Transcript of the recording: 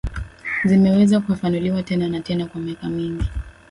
zimeweza kufafanuliwa tena na tena kwa miaka mingi